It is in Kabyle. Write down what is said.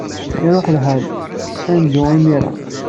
Iṛuḥ lḥal. Ad neddu imir-a.